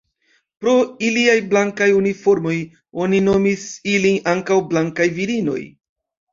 Pro iliaj blankaj uniformoj oni nomis ilin ankaŭ Blankaj virinoj.